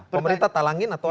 pemerintah talangin atau apa